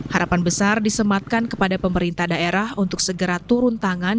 harapan besar disematkan kepada pemerintah daerah untuk segera turun tangan